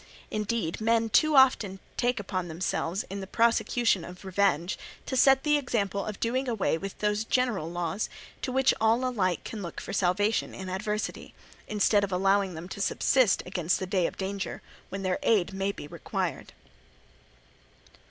Indeed men too often take upon themselves in the prosecution of their revenge to set the example of doing away with those general laws to which all alike can look for salvation in adversity, instead of allowing them to subsist against the day of danger when their aid may be required.